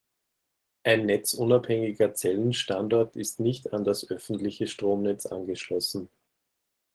Ein netzunabhängiger Zellenstandort ist nicht an das öffentliche Stromnetz angeschlossen.